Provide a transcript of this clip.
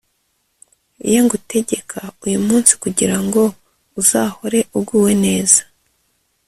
ye ngutegeka uyu munsi kugira ngo uzahore uguwe neza